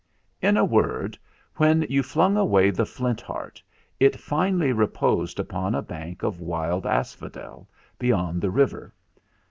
"In a word, when you flung away the Flint Heart, it finally reposed upon a bank of wild asphodel beyond the river.